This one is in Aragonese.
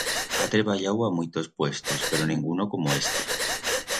Ha treballau a muitos puestos, pero nenguno como este.